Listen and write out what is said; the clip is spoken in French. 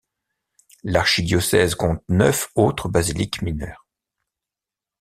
L'archidiocèse compte neuf autres basiliques mineures.